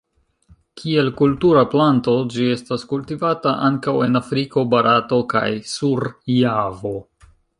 Kiel kultura planto ĝi estas kultivata ankaŭ en Afriko, Barato kaj sur Javo.